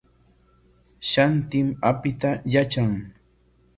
Shantim apita yatran.